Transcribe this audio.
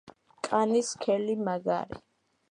კანი სქელი, მაგარი.